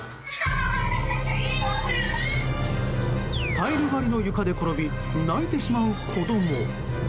タイル張りの床で転び泣いてしまう子供。